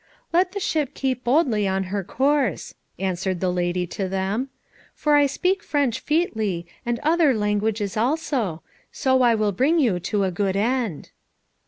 "Let the ship keep boldly on her course," answered the lady to them, "for I speak French featly and other tongues also, so I will bring you to a good end."